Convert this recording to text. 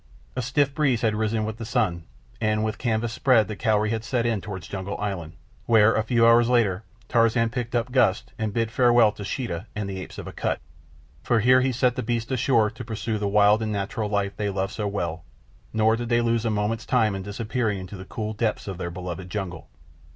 A stiff breeze had risen with the sun, and with canvas spread the Cowrie set in toward Jungle Island, where a few hours later, Tarzan picked up Gust and bid farewell to Sheeta and the apes of Akut, for here he set the beasts ashore to pursue the wild and natural life they loved so well; nor did they lose a moment's time in disappearing into the cool depths of their beloved jungle.